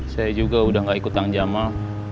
saya juga udah gak ikut tang jamal